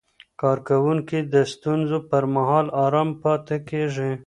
کارکوونکي د ستونزو پر مهال آرام پاتې کېږي.